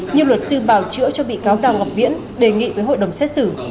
nhưng luật sư bào chữa cho bị cáo đào ngọc viễn đề nghị với hội đồng xét xử